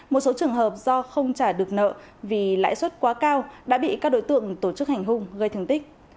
một số trường hợp do không trả được nợ vì lãi suất quá cao đã bị các đối tượng tổ chức hành hung gây thương tích